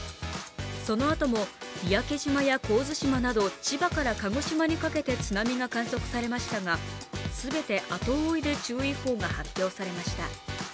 そのあとも三宅島や神津島など、千葉から鹿児島にかけて津波が観測されましたが、全て後追いで注意報が発表されました。